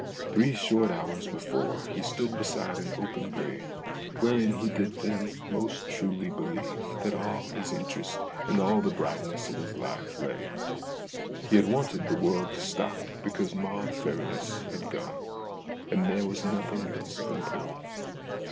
Three short hours before he had 52 STORIES IN GREY stood beside an open grave, wherein he did then most truly believe that all his interest and all the brightness of his life lay. He had wanted the world to stop because Maud Farradyce was gone, and there was nothing else of importance.